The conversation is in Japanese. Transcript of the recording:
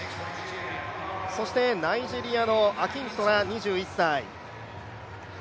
そしてナイジェリアのアキントラが２１歳。